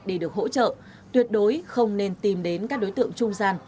để được hỗ trợ tuyệt đối không nên tìm đến các đối tượng trung gian